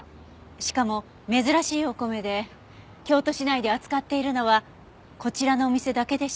しかも珍しいお米で京都市内で扱っているのはこちらのお店だけでした。